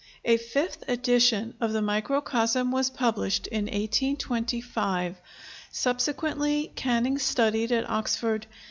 A fifth edition of the Microcosm was published in 1825. Subsequently Canning studied at Oxford.